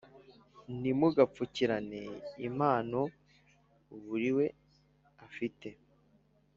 ntimugapfukirane impano buriwe afite